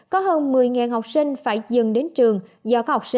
có hơn một mươi học sinh phải dừng đến trường